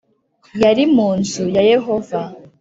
yari mu nzu ya Yehova